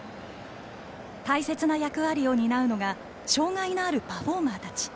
大切な役割を担うのが障がいのあるパフォーマーたち。